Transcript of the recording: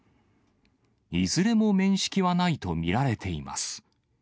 いずれも面識はないと見られています。